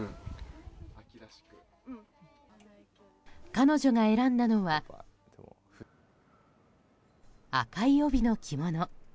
彼女が選んだのは赤い帯の着物。